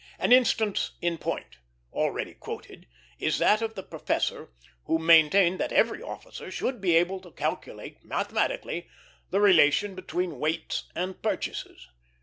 An instance in point, already quoted, is that of the professor who maintained that every officer should be able to calculate mathematically the relation between weights and purchases.